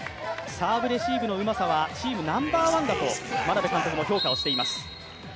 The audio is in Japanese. サーブレシーブのうまさはチームナンバーワンだと、眞鍋監督も評価をしています。